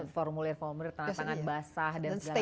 formulir formulir tanda tangan basah dan segala macam